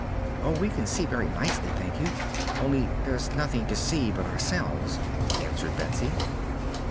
"Oh, we can see very nicely, thank you; only there's nothing to see but ourselves," answered Betsy.